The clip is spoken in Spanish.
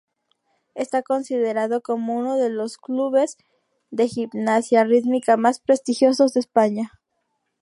Está considerado como uno de los clubes de gimnasia rítmica más prestigiosos de España.